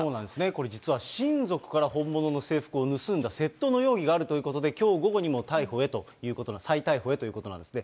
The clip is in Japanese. これ実は親族から本物の制服を盗んだ窃盗の容疑があるということで、きょう午後にも逮捕へということが、再逮捕へということなんですね。